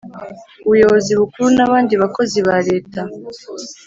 Ubuyobozi Bukuru n abandi bakozi ba leta